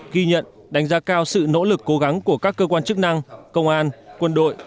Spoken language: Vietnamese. ghi nhận đánh giá cao sự nỗ lực cố gắng của các cơ quan chức năng công an quân đội